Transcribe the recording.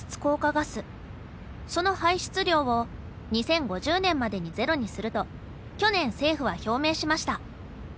その排出量を２０５０年までにゼロにすると去年政府は表明しました。